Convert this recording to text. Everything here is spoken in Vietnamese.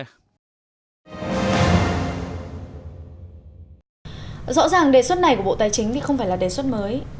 rõ ràng đề xuất này của bộ tài chính thì không phải là đề xuất mới